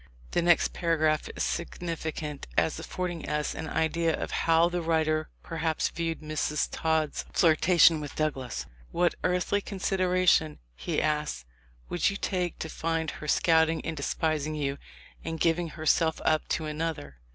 The next paragraph is significant as affording us 220 THE LIFE 0F LINCOLN. an idea of how the writer perhaps viewed Miss Todd's flirtation with Douglas: "What earthly consideration," he asks, "would you take to find her scouting and despising you and giving herself up to another?